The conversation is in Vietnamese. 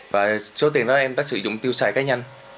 và số tiền đó em đã sử dụng tiêu xài cá nhân